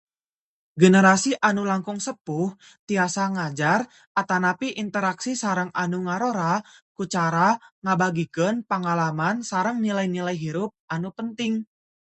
Generasi anu langkung sepuh tiasa ngajar atanapi interaksi sareng anu ngarora ku cara ngabagikeun pangalaman sareng nilai-nilai hirup anu penting.